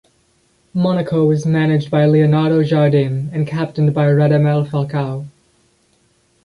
Monaco is managed by Leonardo Jardim and captained by Radamel Falcao.